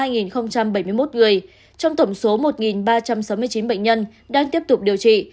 trong bảy mươi một người trong tổng số một ba trăm sáu mươi chín bệnh nhân đang tiếp tục điều trị